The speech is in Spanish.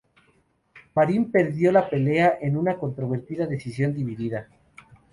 Marín perdió la pelea en una controvertida decisión dividida.